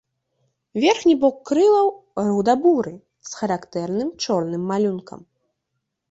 Верхні бок крылаў руда-буры з характэрным чорным малюнкам.